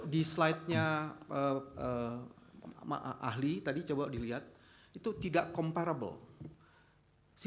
di slide nya ahli tadi coba dilihat itu tidak comparable